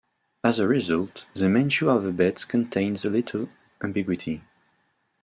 As a result, the Manchu alphabet contains little ambiguity.